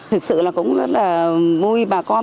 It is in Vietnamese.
thực sự là cũng rất là vui bà con